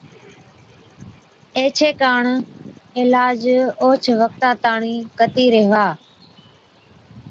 ايڇي ڪاڻ عِلاج اوهچ وقتا تاڻِين ڪتي ريهوا،